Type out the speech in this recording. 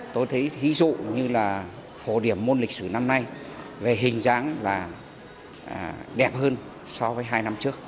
tôi thấy ví dụ như là phổ điểm môn lịch sử năm nay về hình dáng là đẹp hơn so với hai năm trước